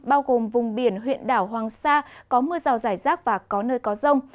bao gồm vùng biển huyện đảo hoàng sa có mưa rào rải rác và có nơi có rông